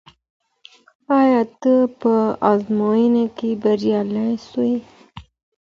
آیا ته په ازموينه کي بريالی سوې؟